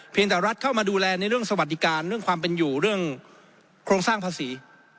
แต่รัฐเข้ามาดูแลในเรื่องสวัสดิการเรื่องความเป็นอยู่เรื่องโครงสร้างภาษี